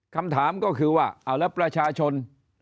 คำถามก็คือว่าเอาแล้วประชาชน